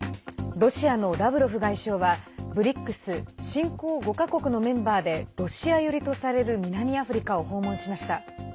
ロシアのラブロフ外相はＢＲＩＣＳ＝新興５か国のメンバーでロシア寄りとされる南アフリカを訪問しました。